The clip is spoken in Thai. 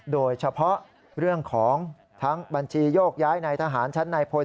โดยเฉพาะเรื่องของทั้งบัญชีโยกย้ายในทหารชั้นในพล